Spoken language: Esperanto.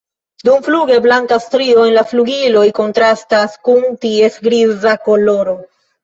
Dumfluge blanka strio en la flugiloj kontrastas kun ties griza koloro.